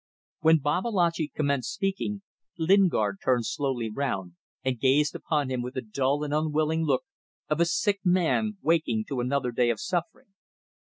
When Babalatchi commenced speaking, Lingard turned slowly round and gazed upon him with the dull and unwilling look of a sick man waking to another day of suffering.